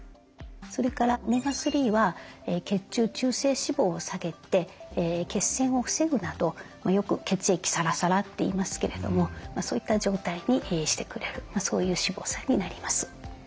それからオメガ３は血中中性脂肪を下げて血栓を防ぐなどよく血液サラサラって言いますけれどもそういった状態にしてくれるそういう脂肪酸になります。